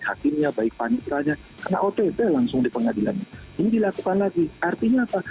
hakimnya baik panitra nya karena otb langsung di pengadilan ini dilakukan lagi artinya apa